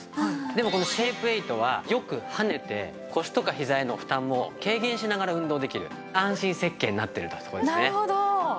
でもこのシェイプエイトはよく跳ねて腰とかひざへの負担も軽減しながら運動できる安心設計になっているというところですね。